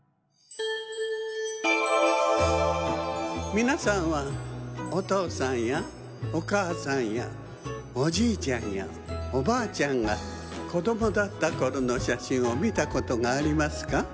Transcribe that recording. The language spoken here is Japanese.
みなさんはおとうさんやおかあさんやおじいちゃんやおばあちゃんがこどもだったころのしゃしんをみたことがありますか？